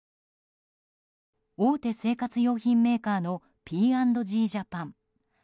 大手生活用品メーカーのＰ＆Ｇジャパン。